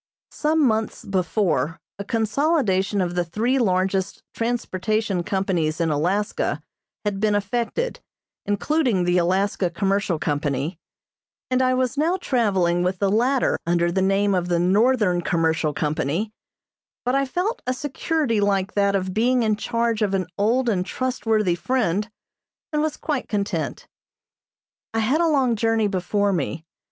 Some months before a consolidation of the three largest transportation companies in Alaska had been effected, including the Alaska Commercial Company, and I was now traveling with the latter under the name of the Northern Commercial Company, but I felt a security like that of being in charge of an old and trustworthy friend, and was quite content. I had a long journey before me.